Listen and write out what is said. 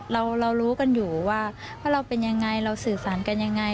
เรารู้กันอยู่ว่าเราเป็นยังไงเราสื่อสารกันยังไง